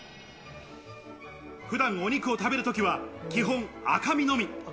普段、お肉を食べるときは基本赤身のみ。